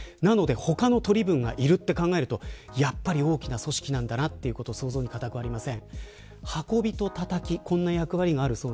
他の取り分がいると考えたらやはり大きな組織だということは想像に難くありません。